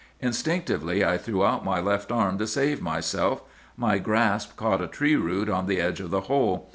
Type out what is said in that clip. "'Instinctively I threw out my left arm to save myself. My grasp caught a tree root on the edge of the hole.